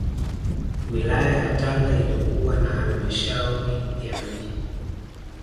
Wilaya ya Tanga imekuwa na Halmashauri ya Mji